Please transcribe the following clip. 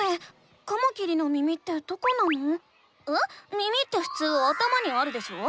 耳ってふつう頭にあるでしょ？